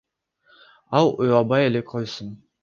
Ал уялбай эле койсун.